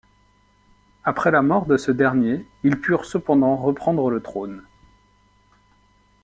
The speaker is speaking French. Après la mort de ce dernier, ils purent cependant reprendre le trône.